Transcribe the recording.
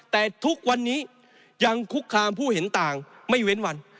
แต่ทุกวันนี้ยังคุกคามผู้เห็นต่างไม่เว้นวัน